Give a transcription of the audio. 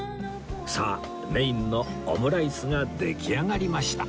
さあメインのオムライスが出来上がりました